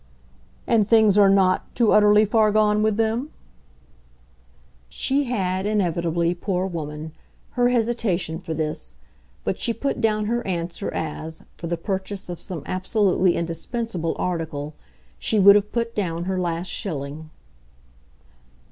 "And things are NOT too utterly far gone with them?" She had inevitably, poor woman, her hesitation for this, but she put down her answer as, for the purchase of some absolutely indispensable article, she would have put down her last shilling.